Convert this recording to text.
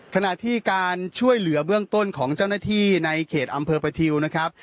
ขณะที่การช่วยเหลือเบื้องต้นของเจ้าหน้าที่ในเขตอำเภอประทิวนะครับ